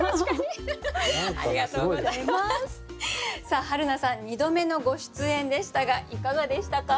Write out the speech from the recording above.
さあはるなさん２度目のご出演でしたがいかがでしたか？